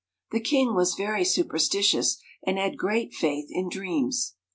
The king was very superstitious, and had great faith in dreams.